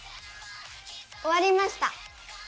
おわりました。